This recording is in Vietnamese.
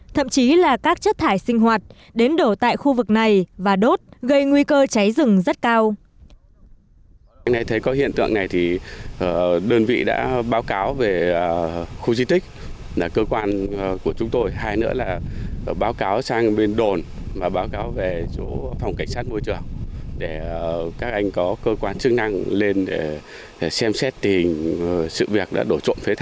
thậm chí là các chất thải sinh hoạt đến đổ tại khu vực này và đốt gây nguy cơ cháy rừng rất cao